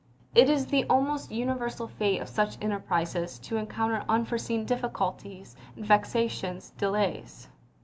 It is the almost universal fate of such enterprises to encounter unforeseen difficulties and vexatious delays.